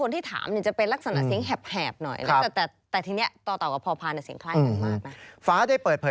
ถ้าใครฟังคลิป